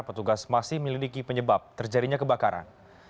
petugas masih melidiki penyebab terjadinya kebakaran